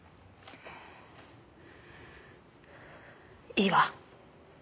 いいわ。